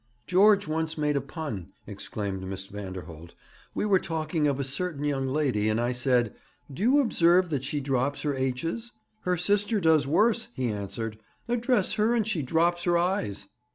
'George once made a pun,' exclaimed Miss Vanderholt. 'We were talking of a certain young lady, and I said: "Do you observe that she drops her H's?" "Her sister does worse," he answered. "Address her and she drops her eyes."'